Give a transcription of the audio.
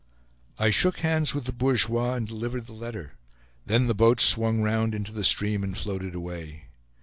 I shook hands with the bourgeois, and delivered the letter; then the boats swung round into the stream and floated away.